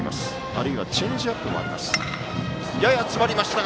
あるいはチェンジアップもあります。